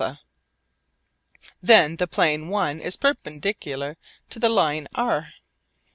Then the plane l is perpendicular to the line r.